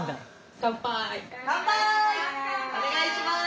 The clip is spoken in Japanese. お願いします。